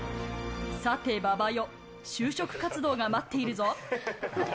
さて、馬場よ、就職活動が待っているぞ。